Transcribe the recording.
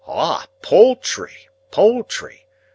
"Ah! poultry, poultry!